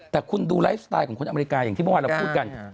แต่คุณดูไลฟ์สไตล์ของคนอเมริกาอย่างที่เมื่อวานเราพูดกัน